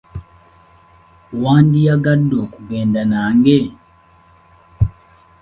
Wandiyagadde okugenda nange?